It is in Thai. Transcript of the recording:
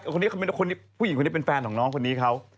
คนนี้ผู้หญิงคนนี้เป็นแฟนของน้องคนนี้เขา